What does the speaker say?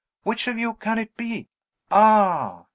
Which of you can it be? Ah!"